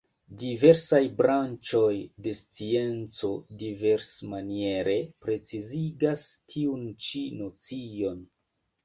Diversaj branĉoj de scienco diversmaniere precizigas tiun ĉi nocion.